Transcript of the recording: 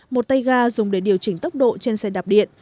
một tay ga dùng để điều chỉnh tốc độ trên xe đạp điện